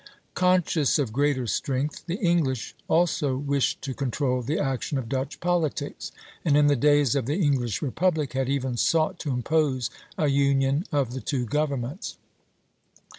Conscious of greater strength, the English also wished to control the action of Dutch politics, and in the days of the English Republic had even sought to impose a union of the two governments.